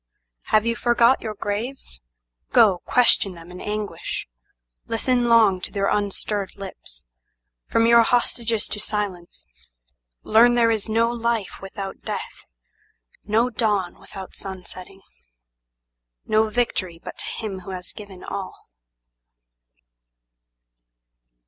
Have you forgot your graves? Go, question them in anguish, Listen long to their unstirred lips. From your hostages to silence, Learn there is no life without death, no dawn without sun setting, No victory but to Him who has given all."